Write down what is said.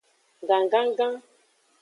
Gangangan.